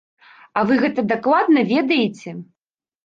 А вы гэта дакладна ведаеце?